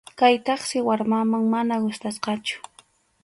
Kaytaqsi warmaman mana gustasqachu.